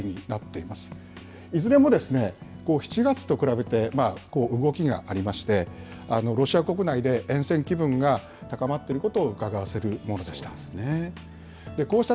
いずれも７月と比べて、動きがありまして、ロシア国内でえん戦気分が高まっていることをうかがわせるものでした。